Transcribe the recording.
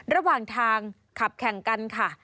ระหว่างทางขับแข่งกันค่ะ